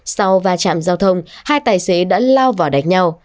sau va chạm giao thông hai tài xế đã lao vào đánh nhau